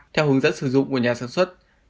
theo hướng dẫn sử dụng của nhà sản xuất